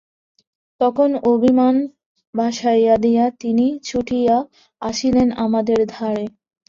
তখন অভিমান ভাসাইয়া দিয়া তিনি ছুটিয়া আসিলেন আমাদের দ্বারে।